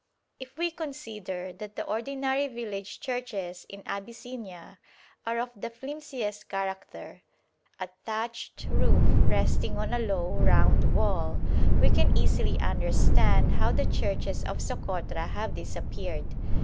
If we consider that the ordinary village churches in Abyssinia are of the flimsiest character a thatched roof resting on a low round wall we can easily understand how the churches of Sokotra have disappeared.